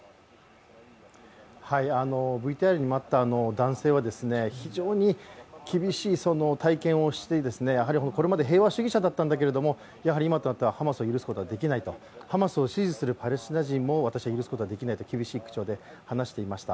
ＶＴＲにもあった男性は、非常に厳しい体験をしてこれまで平和主義者だったんだけれども今になってはハマスを許すことはできないとハマスを支持するパレスチナ人も私は許すことができないと厳しい口調で話していました。